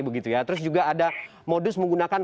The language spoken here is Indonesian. begitu ya terus juga ada modus menggunakan